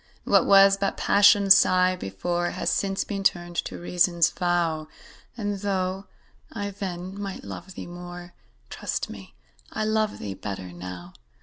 What was but Passion's sigh before, Has since been turned to Reason's vow; And, though I then might love thee more, Trust me, I love thee better now.